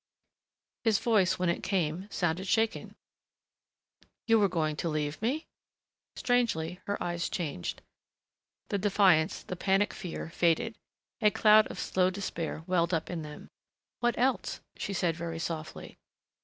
His voice, when it came, sounded shaken. "You were going to leave me?" Strangely her eyes changed. The defiance, the panic fear, faded. A cloud of slow despair welled up in them. "What else?" she said very softly.